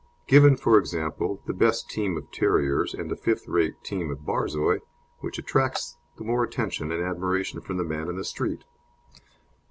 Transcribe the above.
Given, for example, the best team of terriers and a fifth rate team of Borzois, which attracts the more attention and admiration from the man in the street?